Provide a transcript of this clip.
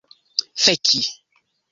feki